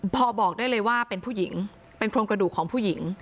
พอบอกได้เลยว่าเป็นผู้หญิงเป็นโครงกระดูกของผู้หญิง